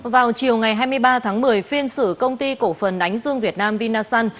vào chiều ngày hai mươi ba tháng một mươi phiên xử công ty cổ phần đánh dương việt nam vinasun